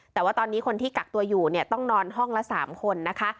แต่ว่าตอนนี้คนที่กักตัวอยู่เนี่ยต้องนอนห้องละ๓คนนะคะ